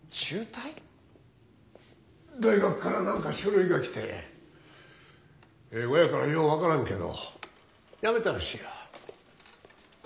大学から何か書類が来て英語やからよう分からんけどやめたらしいや。